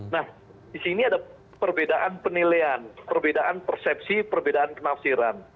nah di sini ada perbedaan penilaian perbedaan persepsi perbedaan penafsiran